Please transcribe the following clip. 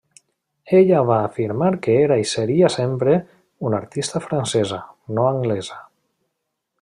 Ella va afirmar que era i seria sempre, una artista francesa, no anglesa.